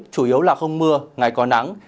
chủ yếu là không mưa ngày có nắng